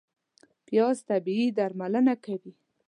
پیاز طبیعي درملنه کوي